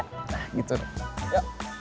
nah gitu dong